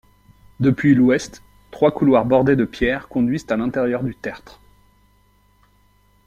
Depuis l'ouest, trois couloirs bordés de pierres conduisent à l'intérieur du tertre.